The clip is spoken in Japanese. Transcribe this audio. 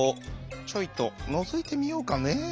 「ちょいとのぞいてみようかね？」。